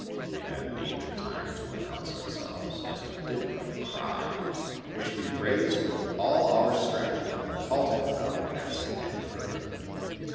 We then deemed it time to announce ourselves, as we did by a cry, which we raised with all our strength, and then halted without advancing any further.